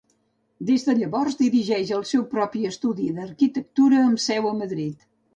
Des de llavors dirigeix el seu propi estudi d'arquitectura, amb seu a Madrid.